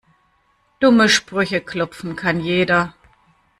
Dumme Sprüche klopfen kann jeder.